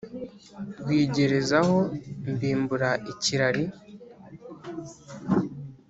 Rwigerezaho mbimbura ikirari